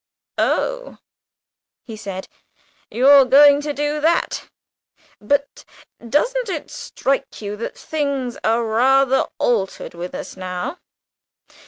"Oh," he said, "you're going to do that? But doesn't it strike you that things are rather altered with us now?"